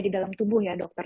di dalam tubuh ya dokter